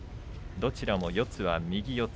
どちらも四つは右四つ。